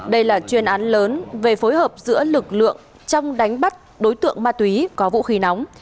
đây là chuyên án lớn về phối hợp giữa lực lượng trong đánh bắt đối tượng ma túy có vũ khí nóng